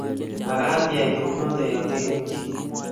Magaat iyaay kunoto yotimuchi